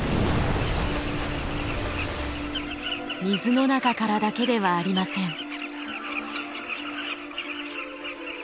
水の中からだけではありません。